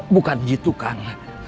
bukan gitu kang